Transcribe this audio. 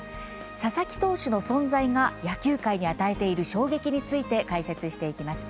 佐々木投手の存在が野球界に与えている衝撃について解説していきます。